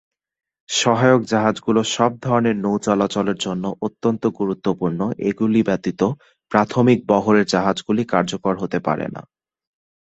সহায়ক জাহাজগুলো সব ধরনের নৌ চলাচলের জন্য অত্যন্ত গুরুত্বপূর্ণ, এগুলি ব্যতীত, প্রাথমিক বহরের জাহাজগুলি কার্যকর হতে পারে না।